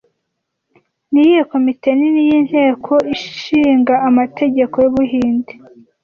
Niyihe komite nini yinteko ishinga amategeko y'Ubuhinde